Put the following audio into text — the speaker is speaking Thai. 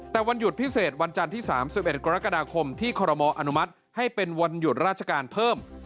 แต่วันหยุดพิเศษวันจันทร์ที่๓๑กรกฎาคมที่คอรมออนุมัติให้เป็นวันหยุดราชการเพิ่ม